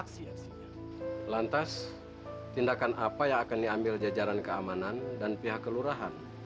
supaya akan diambil jajaran keamanan dan pihak kelurahan